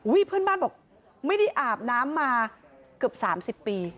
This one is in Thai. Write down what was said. อุ้ยเพื่อนบ้านบอกไม่ได้อาบน้ำมาเกือบสามสิบปี